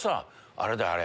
あれだよあれ！